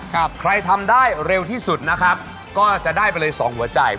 ใครทำได้เร็วที่สุดนะครับก็จะได้ไปเลยสองหัวใจ